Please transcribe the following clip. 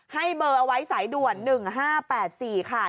ให้เบอร์เอาไว้สายด่วน๑๕๘๔ค่ะ